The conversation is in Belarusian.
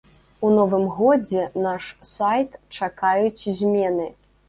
У новым годзе наш сайт чакаюць змены.